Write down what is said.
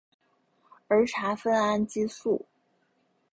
儿茶酚胺激素。